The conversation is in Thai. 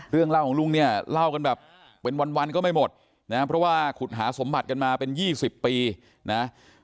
เรื่องเล่าของลุงเนี่ยเล่ากันแบบเป็นวันก็ไม่หมดนะเพราะว่าขุดหาสมบัติกันมาเป็น๒๐ปีนะ